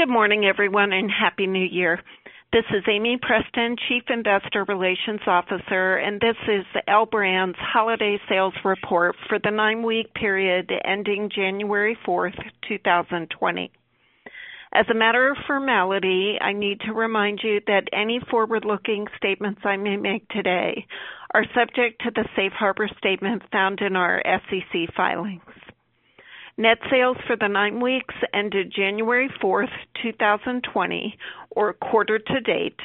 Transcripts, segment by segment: Good morning, everyone, and Happy New Year. This is Amie Preston, Chief Investor Relations Officer, and this is L Brands' holiday sales report for the nine-week period ending January 4, 2020. As a matter of formality, I need to remind you that any forward-looking statements I may make today are subject to the safe harbor statement found in our SEC filings. Net sales for the nine weeks ended January 4, 2020, or quarter to date,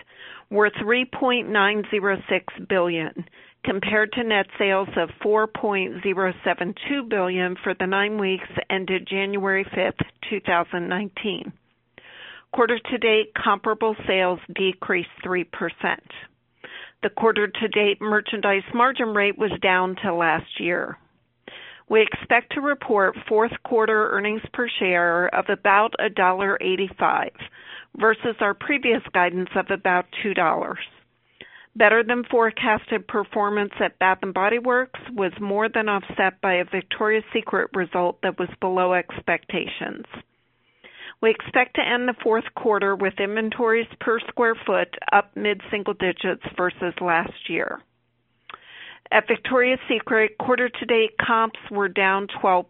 were $3.906 billion, compared to net sales of $4.072 billion for the nine weeks ended January 5, 2019. Quarter to date comparable sales decreased 3%. The quarter to date merchandise margin rate was down to last year. We expect to report fourth quarter earnings per share of about $1.85 versus our previous guidance of about $2. Better than forecasted performance at Bath & Body Works was more than offset by a Victoria's Secret result that was below expectations. We expect to end the fourth quarter with inventories per square foot up mid-single digits versus last year. At Victoria's Secret, quarter to date comps were down 12%.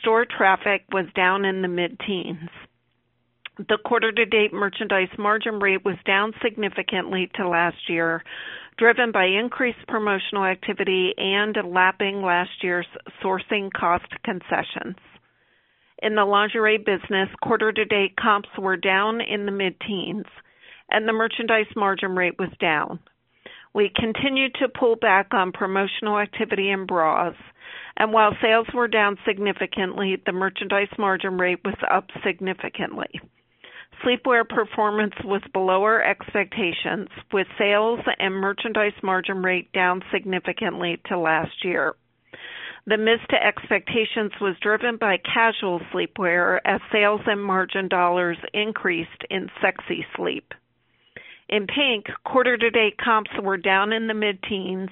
Store traffic was down in the mid-teens. The quarter to date merchandise margin rate was down significantly to last year, driven by increased promotional activity and lapping last year's sourcing cost concessions. In the lingerie business, quarter to date comps were down in the mid-teens, and the merchandise margin rate was down. We continue to pull back on promotional activity and bras, and while sales were down significantly, the merchandise margin rate was up significantly. Sleepwear performance was below our expectations, with sales and merchandise margin rate down significantly to last year. The miss to expectations was driven by casual sleepwear, as sales and margin dollars increased in sexy sleep. In PINK, quarter to date comps were down in the mid-teens,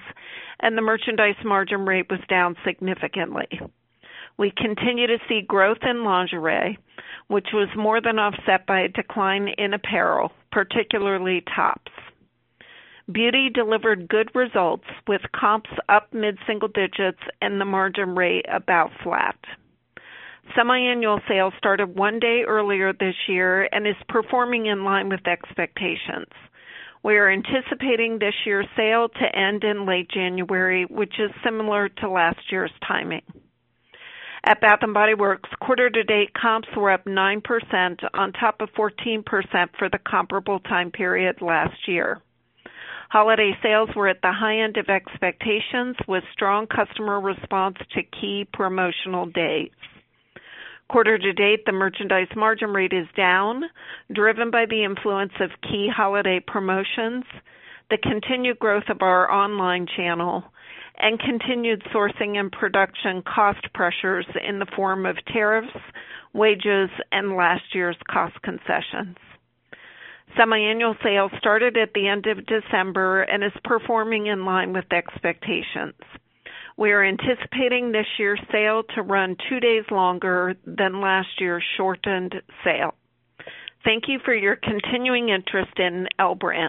and the merchandise margin rate was down significantly. We continue to see growth in lingerie, which was more than offset by a decline in apparel, particularly tops. Beauty delivered good results, with comps up mid-single digits and the margin rate about flat. Semi-Annual Sale started one day earlier this year and is performing in line with expectations. We are anticipating this year's sale to end in late January, which is similar to last year's timing. At Bath & Body Works, quarter to date comps were up 9%, on top of 14% for the comparable time period last year. Holiday sales were at the high end of expectations, with strong customer response to key promotional days. Quarter to date, the merchandise margin rate is down, driven by the influence of key holiday promotions, the continued growth of our online channel, and continued sourcing and production cost pressures in the form of tariffs, wages, and last year's cost concessions. Semi-Annual Sales started at the end of December and is performing in line with expectations. We are anticipating this year's sale to run two days longer than last year's shortened sale. Thank you for your continuing interest in L Brands.